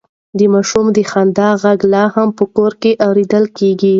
د ماشوم د خندا غږ لا هم په کور کې اورېدل کېږي.